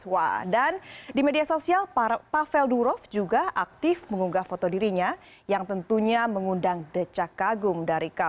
wah dan di media sosial pavel durov juga aktif mengunggah foto dirinya yang tentunya mengundang decak kagum dari kpk